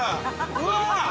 うわ！